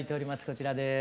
こちらです。